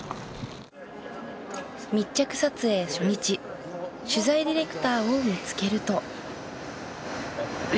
密着撮影初日取材ディレクターを見つけると。